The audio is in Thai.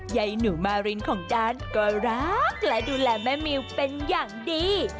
ยายหนูมารินของดานก็รักและดูแลแม่มิวเป็นอย่างดี